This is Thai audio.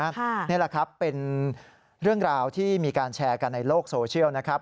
นี่แหละครับเป็นเรื่องราวที่มีการแชร์กันในโลกโซเชียลนะครับ